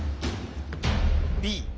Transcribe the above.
Ｂ。